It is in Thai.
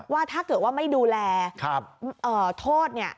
ว่าถ้าเกิดว่าไม่ดูแลโทษเนี่ย